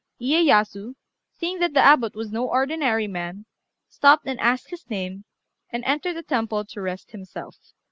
Iyéyasu, seeing that the Abbot was no ordinary man, stopped and asked his name, and entered the temple to rest himself.